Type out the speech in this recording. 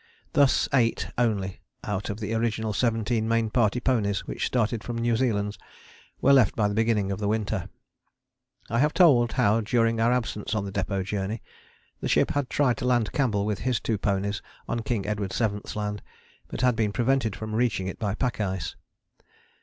Thus eight only out of the original seventeen Main Party ponies which started from New Zealand were left by the beginning of the winter. I have told how, during our absence on the Depôt Journey, the ship had tried to land Campbell with his two ponies on King Edward VII.'s Land, but had been prevented from reaching it by pack ice.